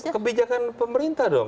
kebijakan pemerintah dong